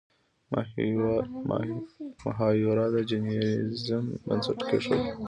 مهایورا د جینیزم بنسټ کیښود.